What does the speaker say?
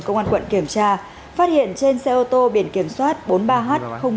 công an quận kiểm tra phát hiện trên xe ô tô biển kiểm soát bốn mươi ba h ba mươi